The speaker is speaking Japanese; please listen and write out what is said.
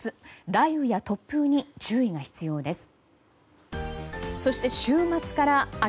雷雨や突風に注意が必要です。